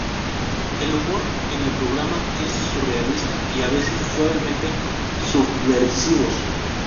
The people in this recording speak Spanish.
El humor en el programa es surrealista y, a veces suavemente subversivos.